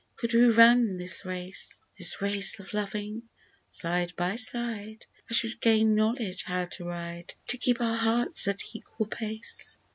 could we run this race (This race of loving), side by side, I should gain knowledge how to ride, To keep our hearts at equal pace